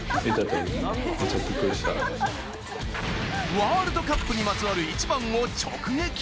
ワールドカップにまつわるイチバンを直撃。